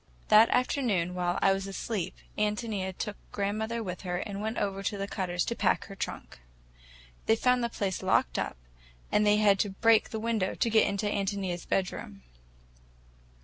That afternoon, while I was asleep, Ántonia took grandmother with her, and went over to the Cutters' to pack her trunk. They found the place locked up, and they had to break the window to get into Ántonia's bedroom.